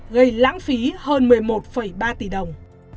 gây lãng phí hơn một mươi một ba tỷ đồng